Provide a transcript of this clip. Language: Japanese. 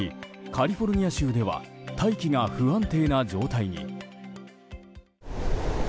カリフォルニア州では大気が不安定な状態に。